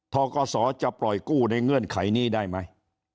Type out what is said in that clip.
ทกศจะปล่อยกู้ในเงื่อนไขนี้ได้ไหม